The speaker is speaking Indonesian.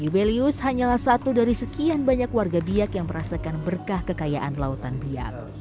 yubelius hanyalah satu dari sekian banyak warga biak yang merasakan berkah kekayaan lautan biak